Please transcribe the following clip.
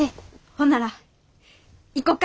ほんなら行こか。